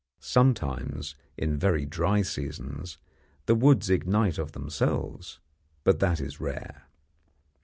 Sometimes, in very dry seasons, the woods ignite of themselves, but that is rare.